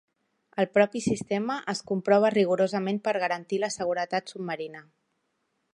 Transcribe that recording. El propi sistema es comprova rigorosament per garantir la seva seguretat submarina.